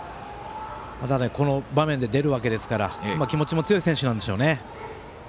この場面で出るわけですから気持ちも強い選手なんでしょうね。